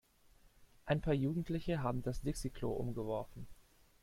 Ein paar Jugendliche haben das Dixi-Klo umgeworfen.